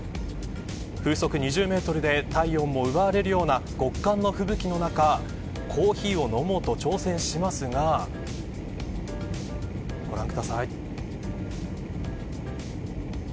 風速２０メートルで体温も奪われるような極寒の吹雪の中コーヒーを飲もうと挑戦しますがご覧ください。